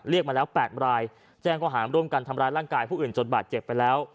เรียกมาแล้วแปลกรายแจ้งความรุ่นการทำร้ายร่างกายผู้อื่นจนบาดเจ็บไปแล้ว